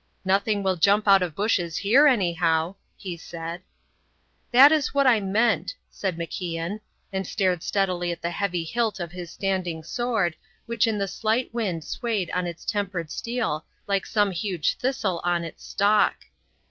"Nothing will jump out of bushes here anyhow," he said. "That is what I meant," said MacIan, and stared steadily at the heavy hilt of his standing sword, which in the slight wind swayed on its tempered steel like some huge thistle on its stalk.